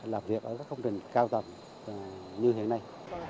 làm việc ở các công trình cao tầng như hiện nay